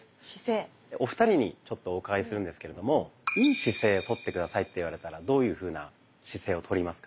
お二人にちょっとお伺いするんですけれども「良い姿勢」をとって下さいって言われたらどういうふうな姿勢をとりますか？